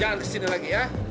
jangan ke sini lagi ya